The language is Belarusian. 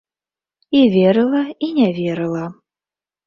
І верыла і не верыла.